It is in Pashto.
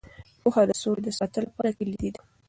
پوهه د سولې د ساتلو لپاره کلیدي ده.